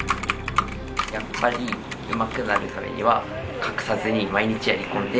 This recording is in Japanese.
やっぱりうまくなるためには隠さずに毎日やりこんで。